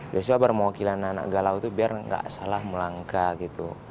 biasanya akbar mewakilkan anak anak galau itu biar gak salah melangkah gitu